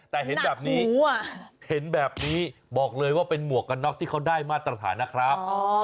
แต่เห็นแบบนี้เห็นแบบนี้บอกเลยว่าเป็นหมวกกันน็อกที่เขาได้มาตรฐานนะครับ